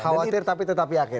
khawatir tapi tetap yakin